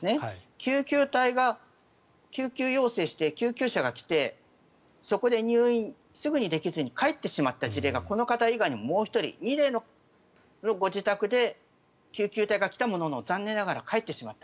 救急隊が救急要請して救急車が来てそこで入院、すぐにできずに帰ってしまった事例がこの方以外にももう１人２例のご自宅で救急隊が来たものの残念ながら帰ってしまった。